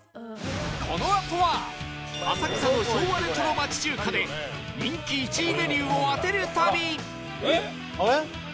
浅草の昭和レトロ町中華で人気１位メニューを当てる旅